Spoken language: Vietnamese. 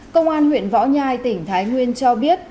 công an huyện võ nhai tỉnh thái nguyên cho biết